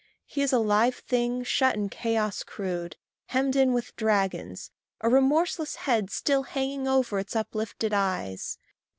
He is a live thing shut in chaos crude, Hemmed in with dragons a remorseless head Still hanging over its uplifted eyes.